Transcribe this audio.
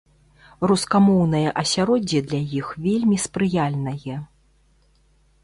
Рускамоўнае асяроддзе для іх вельмі спрыяльнае.